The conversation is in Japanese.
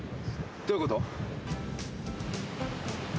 どういうこと？